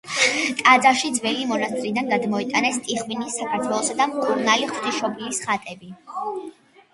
ტაძარში ძველი მონასტრიდან გადმოიტანეს ტიხვინის, საქართველოსა და მკურნალი ღვთისმშობლის ხატები.